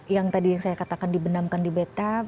yang tadi saya katakan di benamkan di beta